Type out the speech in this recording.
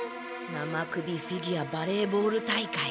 生首フィギュアバレーボール大会。